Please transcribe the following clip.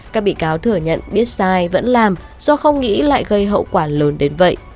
các bị cáo thừa nhận biết sai vẫn làm do không nghĩ lại gây hậu quả lớn đến vậy